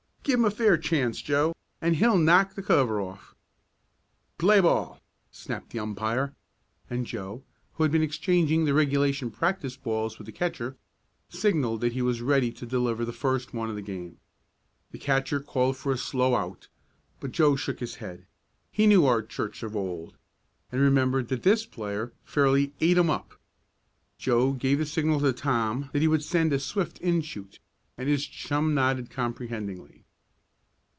"Give him a fair chance, Joe, and he'll knock the cover off!" "Play ball!" snapped the umpire, and Joe, who had been exchanging the regulation practice balls with the catcher signalled that he was ready to deliver the first one of the game. The catcher called for a slow out, but Joe shook his head. He knew Art Church of old, and remembered that this player fairly "ate 'em up." Joe gave the signal to Tom that he would send a swift in shoot, and his chum nodded comprehendingly.